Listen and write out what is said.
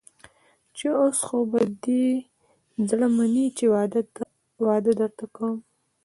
چې اوس خو به دې زړه مني چې واده درته کوم.